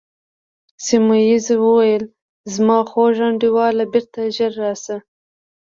سیمونز وویل: زما خوږ انډیواله، بیرته ژر راشه.